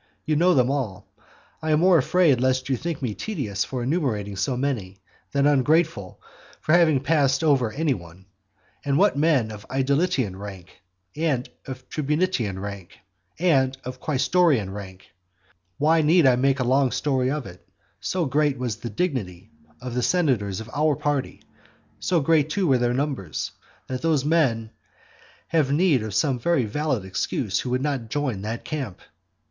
you know them all. I am more afraid lest you should think me tedious for enumerating so many, than ungrateful for passing over any one. And what men of aedilitian rank! and of tribunitian rank! and of quaestorian rank! Why need I make a long story of it, so great was the dignity of the senators of our party, so great too were their numbers, that those men have need of some very valid excuse who did not join that camp.